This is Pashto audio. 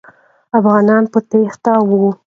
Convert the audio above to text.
افغانان په تېښته وو.